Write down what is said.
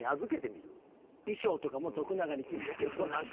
衣装とかも徳永に決めてもらって。